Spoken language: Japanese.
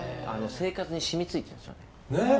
生活に染みついてるんですよね。